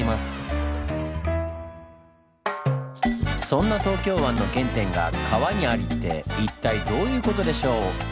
そんな東京湾の原点が川にありって一体どういうことでしょう？